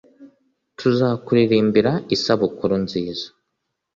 tuzakuririmbira isabukuru nziza,